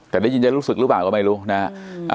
แต่ได้ยินจะรู้สึกหรือเปล่าก็ไม่รู้นะฮะ